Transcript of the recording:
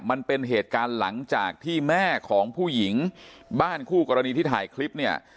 มันเป็นเหตุการณ์หลังจากที่แม่ของผู้หญิงบ้านคู่กรณีที่ถ่ายคลิปเนี่ย